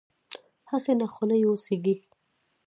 هسې نه خوله یې وسېزي.